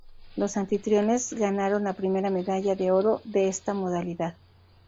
Los anfitriones ganaron la primera medalla de oro de esta modalidad.